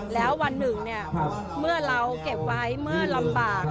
แล้ววันหนึ่งเมื่อเราเก็บไว้เมื่อลำบาก